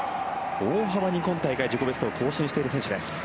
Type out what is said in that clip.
大幅に今大会、自己ベストを更新している選手です。